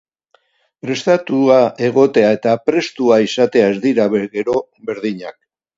Prestatua egotea eta prestua izatea ez dira, gero, berdinak.